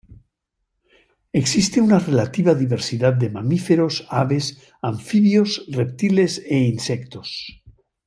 Existe una relativa diversidad de mamíferos, aves, anfibios, reptiles e insectos.